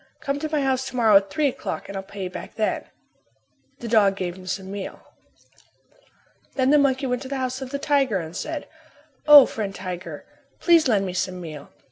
Come to my house to morrow at three o'clock and I'll pay you back then." The dog gave him some meal. Then the monkey went to the house of the tiger and said, "O, friend tiger, please lend me some meal.